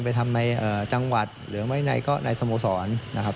ไปทำในจังหวัดหรือไม่ก็ในสโมสรนะครับ